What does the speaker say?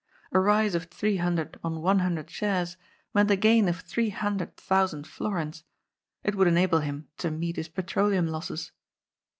A rise of three hundred on one hundred shares meant a gain of three hundred thousand florins. It would enable him to meet his petroleum losses.